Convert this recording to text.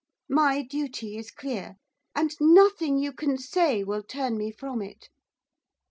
My duty is clear, and nothing you can say will turn me from it.